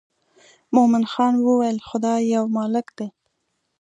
مومن خان وویل خدای یو مالک دی.